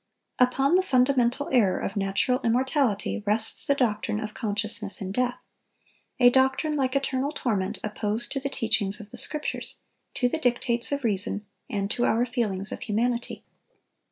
Upon the fundamental error of natural immortality rests the doctrine of consciousness in death,—a doctrine, like eternal torment, opposed to the teachings of the Scriptures, to the dictates of reason, and to our feelings of humanity.